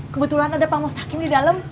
kebetulan ada pak mustaqim di dalam